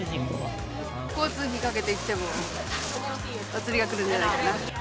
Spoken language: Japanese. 交通費かけて来ても、お釣りがくるんじゃないかな。